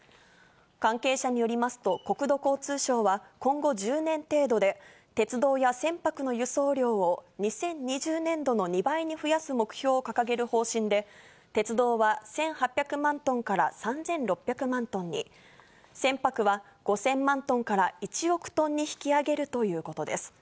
関係者によりますと、国土交通省は、今後１０年程度で鉄道や船舶の輸送量を２０２０年度の２倍に増やす目標を掲げる方針で、鉄道は１８００万トンから３６００万トンに、船舶は５０００万トンから１億トンに引き上げるということです。